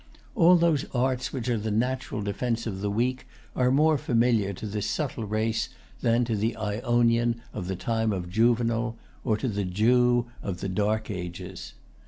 All those arts which are the natural defence of the weak are more familiar to this subtle race than to the Ionian of the time of Juvenal, or to the Jew of the dark ages.